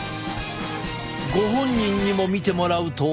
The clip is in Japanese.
ご本人にも見てもらうと。